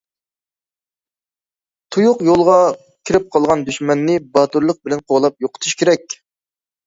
تۇيۇق يولغا كىرىپ قالغان دۈشمەننى باتۇرلۇق بىلەن قوغلاپ يوقىتىش كېرەك.